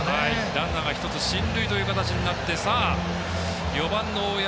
ランナーが１つ進塁という形になって４番の大山。